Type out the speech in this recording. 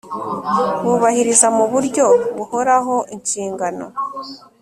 Bubahiriza mu buryo buhoraho inshingano